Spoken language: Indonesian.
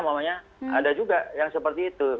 ada juga yang seperti itu